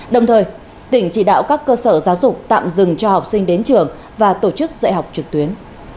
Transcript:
đồng thời tỉnh chỉ đạo các cơ sở giáo dục tạm dừng cho học sinh đến trường và tổ chức dạy học trực tuyến